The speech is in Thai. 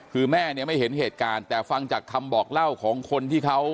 คือแม่เนี่ยไม่เห็นเหตุการณ์แต่ฟังจากคำบอกเล่าของคนที่เขา